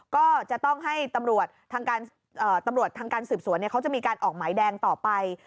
ก็จะต้องให้ตำรวจทางการสืบสวนเขาจะมีการออกหมายแดงต่อไป